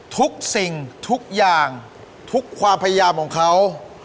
ทุกสิ่งทุกอย่างทุกความพยายามของเขา